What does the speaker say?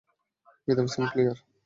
বিধবা Saint Claire.